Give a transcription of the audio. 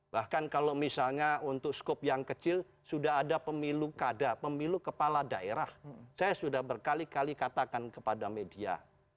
bahkan kalau misalnya untuk skop yang kecil sudah ada pemilu kada pemilu kepala daerah saya sudah berkali kali katakan kepada media